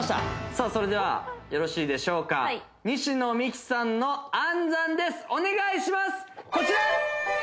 さあそれではよろしいでしょうか西野未姫さんの暗算ですお願いしますこちら！